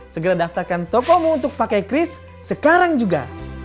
segera daftarkan tokomu untuk pakai cris sekarang juga